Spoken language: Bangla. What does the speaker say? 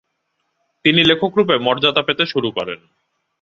তিনি লেখকরূপে মর্যাদা পেতে শুরু করেন।